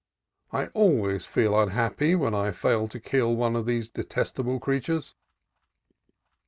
I always feel unhappy when I fail to kill one of these detestable creatures.